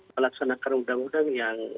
melaksanakan undang undang yang